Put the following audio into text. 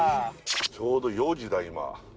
ちょうど４時だ今。